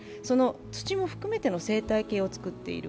土を含めての生態系を作っている。